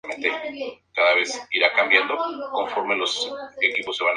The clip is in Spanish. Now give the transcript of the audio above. Una mayor tasa de bits permite mejor calidad de video.